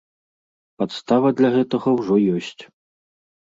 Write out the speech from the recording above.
Падстава для гэтага ўжо ёсць.